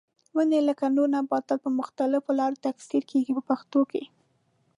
ونې لکه نور نباتات په مختلفو لارو تکثیر کېږي په پښتو کې.